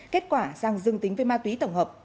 kết quả giang dương tính với ma túy tổng hợp